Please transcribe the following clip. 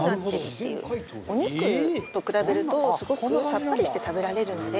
お肉と比べるとすごくサッパリして食べられるので。